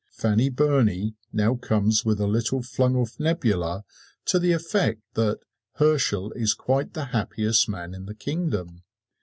Fanny Burney now comes with a little flung off nebula to the effect that "Herschel is quite the happiest man in the kingdom."